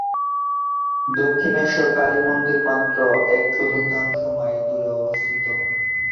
দক্ষিণেশ্বর কালী মন্দির মাত্র এক চতুর্থাংশ মাইল দূরে অবস্থিত।